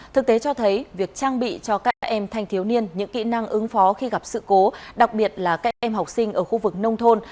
thực tế cho thấy việc trang bị cho các em thanh thiếu niên những kỹ năng ứng phó khi gặp sự cố đặc biệt là các em học sinh ở khu vực nông thôn